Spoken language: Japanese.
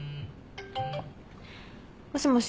もしもし？